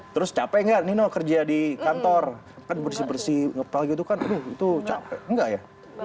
terus capek nggak nino kerja di kantor bersih bersih itu kan tuh capek nggak ya